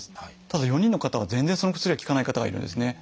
ただ４人の方は全然その薬が効かない方がいるんですね。